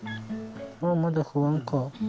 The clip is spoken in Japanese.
まだ不安か。